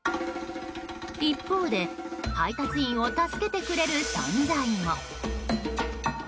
一方で、配達員を助けてくれる存在も。